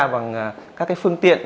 bằng các phương tiện